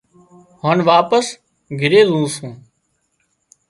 هانَ واپس گھِري زُون سُون۔